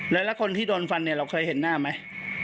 แล้วคนที่โดนฟันเนี่ยเราเคยเห็นหน้าไหม